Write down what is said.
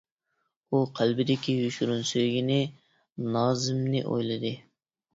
ئۇ قەلبىدىكى يوشۇرۇن سۆيگىنى نازىمنى ئويلىدى.